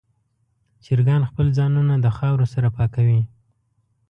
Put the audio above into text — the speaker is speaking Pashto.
چرګان خپل ځانونه د خاورو سره پاکوي.